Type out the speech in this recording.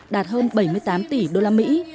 đạt hơn bảy mươi tám tỷ đô la mỹ